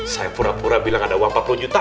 saya pura pura bilang ada uang empat puluh juta